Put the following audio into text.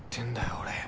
俺